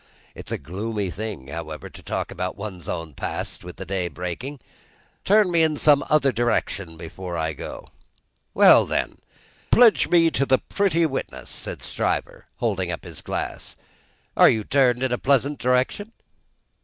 It's a gloomy thing, however, to talk about one's own past, with the day breaking. Turn me in some other direction before I go." "Well then! Pledge me to the pretty witness," said Stryver, holding up his glass. "Are you turned in a pleasant direction?"